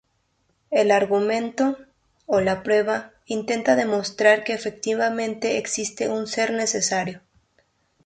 El argumento, o la prueba, intenta demostrar que efectivamente existe un ser necesario.